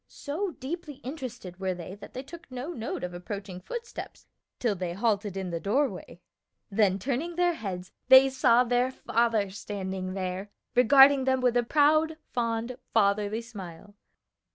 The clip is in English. So deeply interested were they that they took no note of approaching footsteps till they halted in the doorway, then turning their heads they saw their father standing there, regarding them with a proud, fond fatherly smile.